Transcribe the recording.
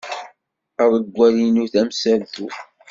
Aḍewwal-inu d amsaltu.